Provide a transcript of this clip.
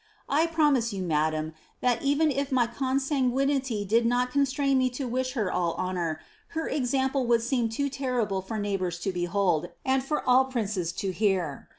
I promise you, madame, that even if my consanguinity did not tODStmin me to "with her all honour, her example would seem too terrible for ■dghboars to behold, and for all princes to hear.